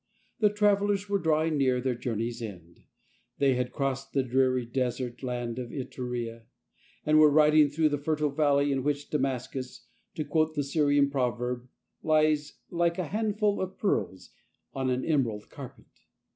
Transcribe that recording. The travellers were drawing near their journey's end. They had crossed the dreary desert land of Iturea, and were riding through the fertile valley in which Damascus, to quote the Syrian proverb, lies " like a handful of pearls on an emerald carpet."